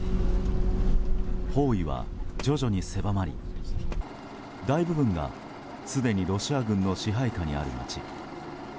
包囲は徐々に狭まり大部分がすでにロシア軍の支配下にある街。